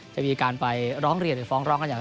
จะมีการไปร้องเรียนหรือฟ้องร้อง